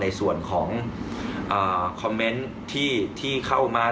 ในส่วนของคอมเมนต์ที่เข้ามา